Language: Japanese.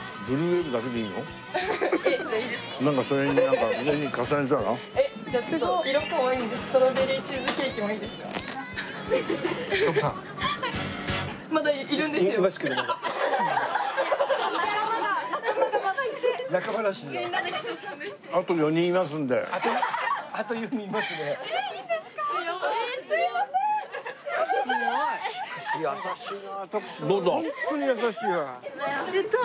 ホントに優しいわ。